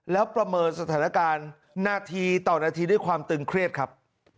แล้วประเมินสถานการณ์นาทีต่อนาทีด้วยความตึงเครียดครับ